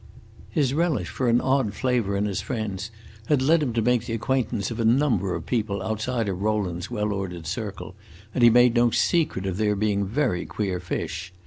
His relish for an odd flavor in his friends had led him to make the acquaintance of a number of people outside of Rowland's well ordered circle, and he made no secret of their being very queer fish.